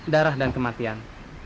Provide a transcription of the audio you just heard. darah dan kematian